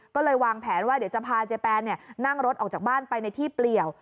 ก็เลยวางแผนว่าเดี๋ยวจะพาเจ๊แปนนั่งรถออกจากบ้านไปในที่เปลี่ยว